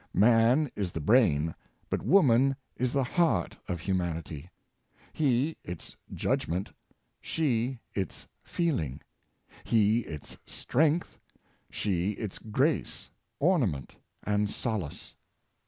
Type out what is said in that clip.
Man is the brain, but woman is the heart of humanity; he its judgment, she its feeling; he its strength, she its grace, ornament, and solace.